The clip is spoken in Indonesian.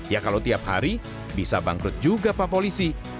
ya kalau tiap hari bisa bangkrut juga pak polisi